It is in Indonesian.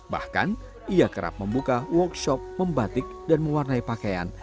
bahkan ia kerap membuka workshop membatik dan mewarnai pakaian